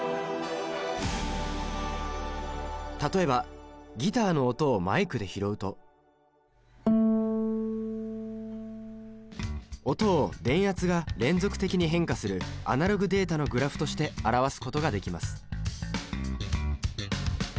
例えばギターの音をマイクで拾うと音を電圧が連続的に変化するアナログデータのグラフとして表すことができます